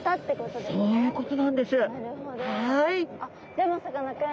でもさかなクン